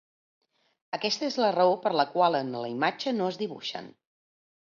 Aquesta és la raó per la qual en la imatge no es dibuixen.